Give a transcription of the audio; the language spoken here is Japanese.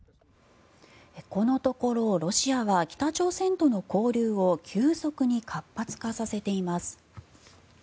このところロシアは北朝鮮との交流を急速に活発化させています。